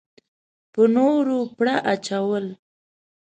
په نورو پړه اچول.